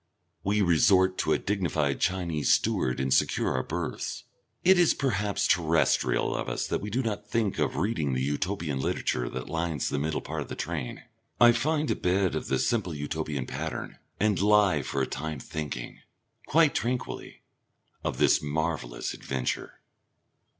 We resort to a dignified Chinese steward and secure our berths. It is perhaps terrestrial of us that we do not think of reading the Utopian literature that lines the middle part of the train. I find a bed of the simple Utopian pattern, and lie for a time thinking quite tranquilly of this marvellous adventure.